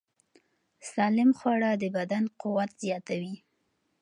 سالم خواړه د بدن قوت زیاتوي.